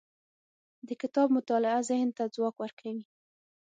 د کتاب مطالعه ذهن ته ځواک ورکوي.